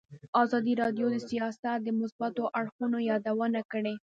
ازادي راډیو د سیاست د مثبتو اړخونو یادونه کړې.